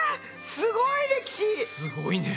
すごいね！